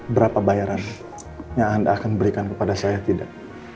berapa bayaran yang anda akan berikan kepada saya tidak